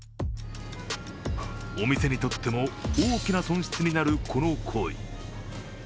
お店にとっても大きな損失になる、この行為。